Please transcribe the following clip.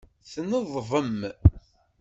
Tneḍbem.